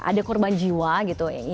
ada korban jiwa gitu